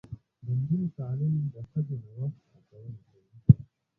د نجونو تعلیم د ښځو نوښت هڅونه کوي.